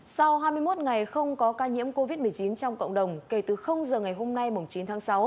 sau hai mươi một ngày không có ca nhiễm covid một mươi chín trong cộng đồng kể từ giờ ngày hôm nay chín tháng sáu